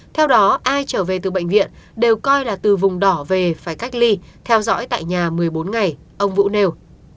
theo đó ai trở về từ bệnh viện đều coi là từ vùng đỏ về phải cách ly theo dõi tại nhà một mươi bốn ngày ông vũ nêu